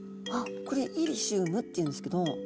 これイリシウムっていうんですけど。